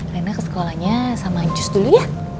rena ke sekolahnya sama jus dulu ya